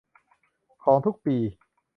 ของทุกปี